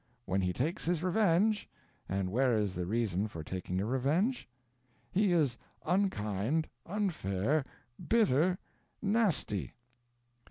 When he takes his revenge (and where is the reason for taking a revenge?) he is unkind, unfair, bitter, nasty.